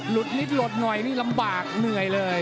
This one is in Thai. นิดหลุดหน่อยนี่ลำบากเหนื่อยเลย